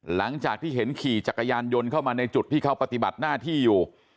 หลังจากที่เห็นขี่จักรยานยนต์เข้ามาในจุดที่เขาปฏิบัติหน้าที่อยู่